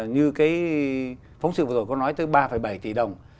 như cái phóng sự vừa rồi có nói tới ba bảy tỷ đồng